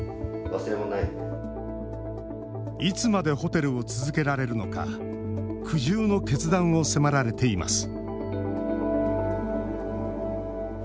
いつまでホテルを続けられるのか苦渋の決断を迫られています